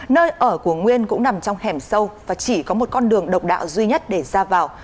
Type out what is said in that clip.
nơi ở của nguyên cũng nằm trong hẻm sâu và chỉ có một con đường độc đạo duy nhất để ra vào